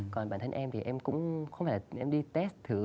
còn bản thân em thì em cũng không phải em đi test thử